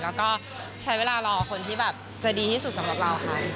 แล้วก็ใช้เวลารอคนที่แบบจะดีที่สุดสำหรับเราค่ะ